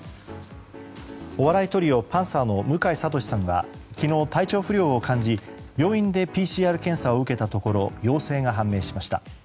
お笑いトリオ、パンサーの向井慧さんは昨日、体調不良を感じ病院でＰＣＲ検査を受けたところ陽性が判明しました。